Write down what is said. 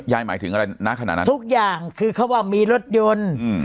หมายถึงอะไรณขณะนั้นทุกอย่างคือเขาว่ามีรถยนต์อืม